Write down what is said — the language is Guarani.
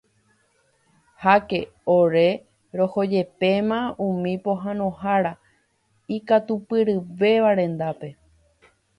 Háke ore rohojepéma umi pohãnohára ikatupyryvéva rendápe.